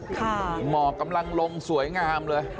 ค่ะเหมาะกำลังลงสวยงามเลย